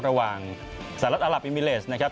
ระหว่างสหรัฐอัลลับอิมิเลสนะครับ